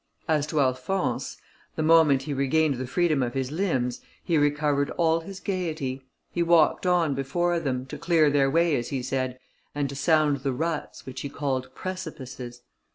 As to Alphonse, the moment he regained the freedom of his limbs, he recovered all his gaiety. He walked on before them, to clear their way as he said, and to sound the ruts, which he called precipices.